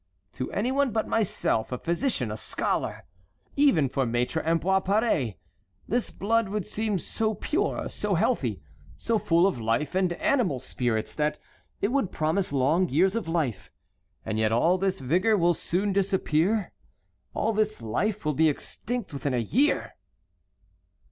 To any one but myself, a physician, a scholar, even for Maître Ambroise Paré, this blood would seem so pure, so healthy, so full of life and animal spirits, that it would promise long years of life; and yet all this vigor will soon disappear, all this life will be extinct within a year!"